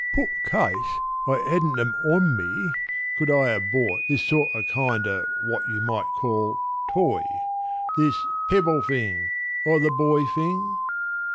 Put case I hadn't 'em on me, could I ha' bought This sort o' kind o' what you might call toy, This pebble thing, o' the boy thing?